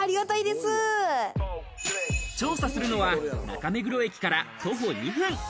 調査するのは中目黒駅から徒歩２分。